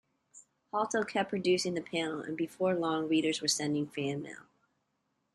Hatlo kept producing the panel, and before long readers were sending fan mail.